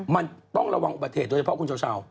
มันต้องระวังอุบัติเหตุโดยเฉพาะคุณชาว